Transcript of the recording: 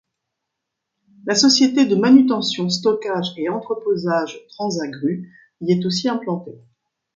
La société de manutention, stockage et entreposage Transagrue y est aussi implantée.